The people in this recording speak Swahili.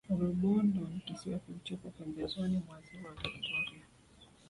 rubondo ni kisiwa kilichopo pembezoni mwa ziwa victoria